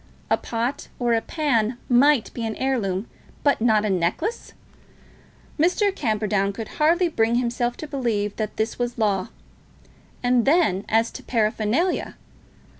A pot or a pan might be an heirloom, but not a necklace! Mr. Camperdown could hardly bring himself to believe that this was law. And then as to paraphernalia!